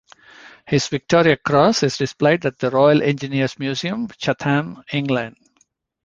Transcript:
His Victoria Cross is displayed at the Royal Engineers Museum, Chatham, England.